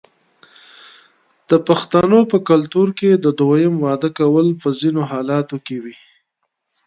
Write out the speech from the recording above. د پښتنو په کلتور کې د دویم واده کول په ځینو حالاتو کې وي.